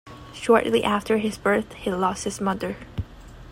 Shortly after his birth, he lost his mother.